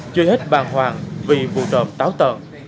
chui hết bàn hoàng vì vụ trộm táo tợn